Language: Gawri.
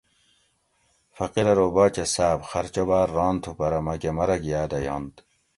فقیر ارو باچہ صاۤب خرچہ باۤر ران تھُو پرہ مکہ مرگ یادہ ینت